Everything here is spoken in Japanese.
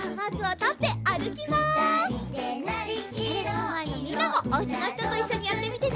テレビのまえのみんなもおうちのひとといっしょにやってみてね。